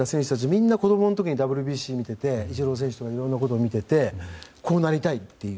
みんな子供の時にＷＢＣ見ててイチロー選手とかいろいろな選手を見ていてこうなりたいと。